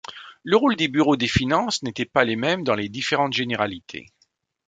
Le rôle des bureaux des finances n'étaient pas les mêmes dans les différentes généralités.